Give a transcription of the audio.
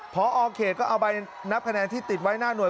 พอเขตก็เอาใบนับคะแนนที่ติดไว้หน้าหน่วย